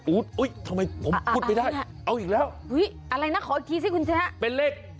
ทำไมผมพูดไม่ได้เอาอีกแล้วอะไรนะขออีกทีสิคุณชนะเป็นเลข